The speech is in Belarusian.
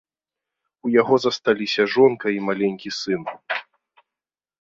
У яго засталіся жонка і маленькі сын.